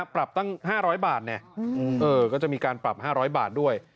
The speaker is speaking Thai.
ปรับตั้ง๕๐๐บาทก็จะมีการปรับ๕๐๐บาทด้วย